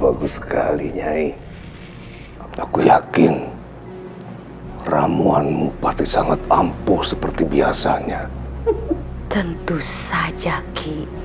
bagus sekali nyai aku yakin ramuanmu pasti sangat ampuh seperti biasanya tentu saja ki